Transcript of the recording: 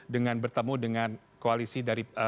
dengan bertemu dengan koalisi dari